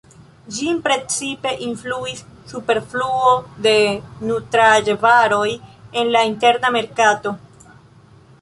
Ĝin precipe influis superfluo de nutraĵvaroj en la interna merkato.